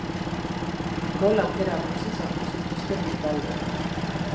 Gol aukera gutxi sortu zituzten bi taldeek.